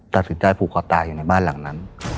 ตัดสินใจผูกคอตายอยู่ในบ้านหลังนั้น